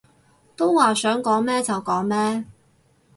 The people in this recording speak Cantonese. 都話想講咩就講咩